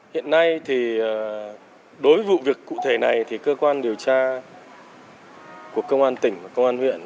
hiện nay thì đối với vụ việc cụ thể này thì cơ quan điều tra của công an tỉnh và công an huyện